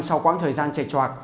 sau quãng thời gian chệt chọc